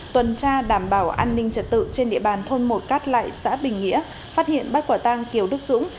tuần tra đảm bảo an ninh trật tự trên địa bàn thôn một cát lại xã bình nghĩa phát hiện bắt quả tang kiều đức dũng